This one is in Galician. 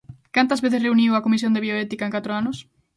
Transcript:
Cantas veces reuniu a Comisión de Bioética en catro anos?